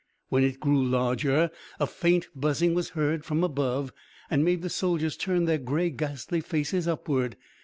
When it grew larger, a faint buzzing was heard from above and made the soldiers turn their grey, ghastly faces upward....